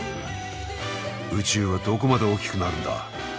宇宙はどこまで大きくなるんだ？